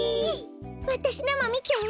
わたしのもみて。